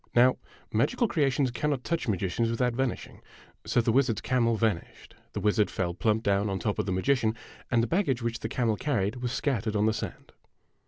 Now, magical creations cannot touch magicians without van ishing. So the wizard's camel vanished, the wizard fell plump down on top of the magician, and the baggage which the camel carried was scattered on the sand.